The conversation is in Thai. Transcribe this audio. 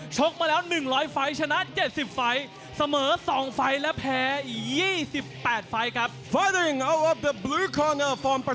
กมาแล้ว๑๐๐ไฟล์ชนะ๗๐ไฟล์เสมอ๒ไฟล์และแพ้๒๘ไฟล์ครับ